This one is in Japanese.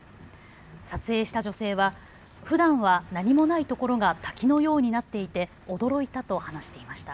撮影した女性はふだんは何もないところが滝のようになっていて驚いたと話していました。